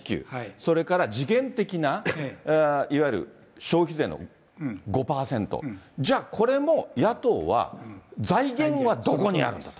それから時限的な、いわゆる消費税の５％、じゃあ、これも野党は、財源はどこにあるんだと。